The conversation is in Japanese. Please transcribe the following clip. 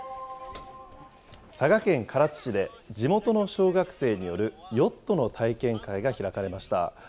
佐賀県唐津市で、地元の小学生によるヨットの体験会が開かれました。